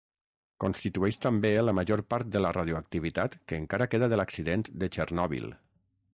Constitueix també la major part de la radioactivitat que encara queda de l'accident de Txernòbil.